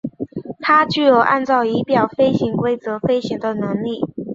它具有按照仪表飞行规则飞行的能力。